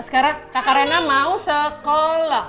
sekarang kak rena mau sekolah